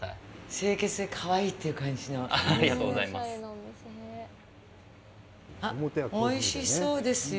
清潔で、かわいいっていう感じのお店ですね。